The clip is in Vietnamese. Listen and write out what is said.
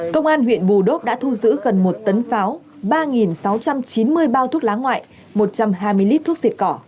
công an huyện vù đốc đã thu giữ gần một tấn pháo ba sáu trăm chín mươi bao thuốc lá ngoại một trăm hai mươi lít thuốc xịt cỏ